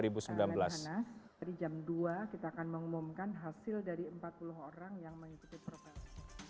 pada jam dua kita akan mengumumkan hasil dari empat puluh orang yang mengikuti profil